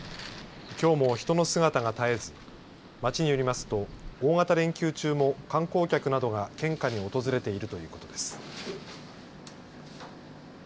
きょうも人の姿が絶えず町によりますと大型連休中も観光客などが献花に訪れているということです。